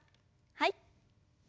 はい。